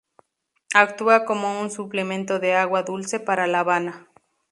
Actúa como un suplemento de agua dulce para La Habana.